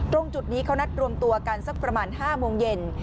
ตรงจุดนี้เขานัดรวมตัวกันสักประมาณ๕โมงเย็น